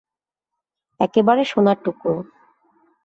একেবারে সোনার টুকরো।